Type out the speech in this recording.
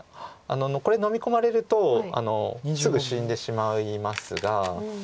これのみ込まれるとすぐ死んでしまいますが。